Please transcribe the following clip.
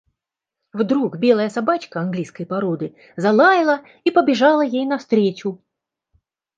Вдруг белая собачка английской породы залаяла и побежала ей навстречу.